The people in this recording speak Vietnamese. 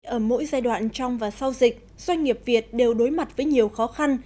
ở mỗi giai đoạn trong và sau dịch doanh nghiệp việt đều đối mặt với nhiều khó khăn